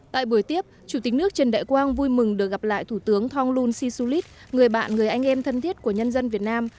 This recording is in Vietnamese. tại buổi tiếp chủ tịch nước trần đại quang vui mừng được gặp lại thủ tướng thonglun sisulit người bạn người anh em thân thiết của nhân dân việt nam